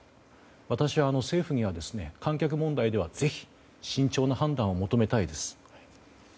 私は政府には、観客問題ではぜひ慎重な判断を求めたいです。